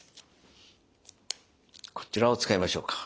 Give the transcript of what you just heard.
こちらを使いましょうか。